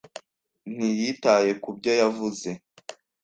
Ntiyitaye ku byo yavuze.